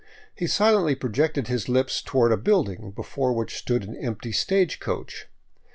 He silently projected his lips toward a building before which stood the empty stage coach.